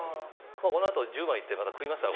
このあと十番行って、また食いますから。